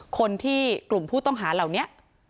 คนที่กลุ่มผู้ต้องหาเหล่านี้